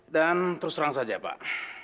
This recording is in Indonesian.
dan terus terang saja pak